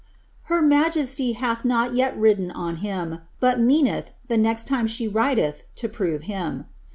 ^" Her majesty hath not yet ridden on him, bui meaneih, the next tioM she rideih, to prove him.